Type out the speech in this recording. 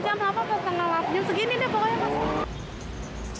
jam delapan atau tengah delapan jam segini deh pokoknya mas